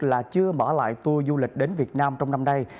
là chưa mở lại tour du lịch đến việt nam trong năm nay